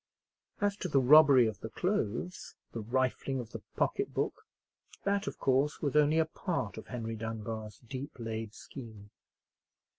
As to the robbery of the clothes—the rifling of the pocketbook—that, of course, was only a part of Henry Dunbar's deep laid scheme.